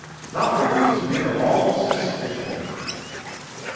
That relieves me of all suspicion."